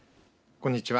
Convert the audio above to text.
こんにちは。